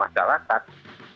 artinya dengan pengetatan